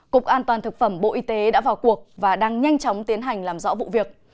cục an toàn thực phẩm bộ y tế đã vào cuộc và đang nhanh chóng tiến hành làm rõ vụ việc